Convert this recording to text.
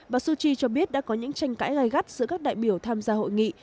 bà suu kyi cho biết đã có những tranh cãi gai gắt giữa các đại biểu tham gia hội nghị